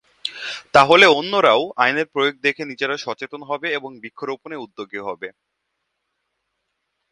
তাহলে অন্যরাও আইনের প্রয়োগ দেখে নিজেরা সচেতন হবে এবং বৃক্ষরোপনে উদ্যোগী হবে।